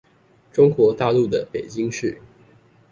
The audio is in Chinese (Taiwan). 中國大陸的北京市